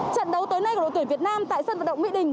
trận đấu tới nay của đội tuyển việt nam tại sân vật động mỹ đình